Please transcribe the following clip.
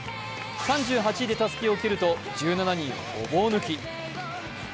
３８位でタスキを受けると１７人ごぼう抜き。